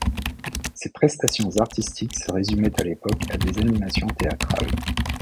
Ses prestations artistiques se résumaient à l'époque à des animations théâtrales.